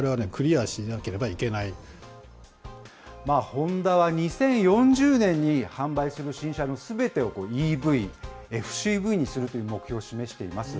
ホンダは２０４０年に販売する新車のすべてを、ＥＶ、ＦＣＶにするという目標を示しています。